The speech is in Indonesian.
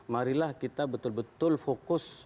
marilah kita betul betul fokus